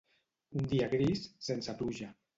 Un dia gris, sense pluja.